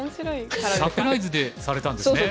サプライズでされたんですね？